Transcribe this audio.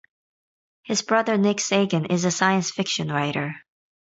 His brother Nick Sagan is a science fiction writer.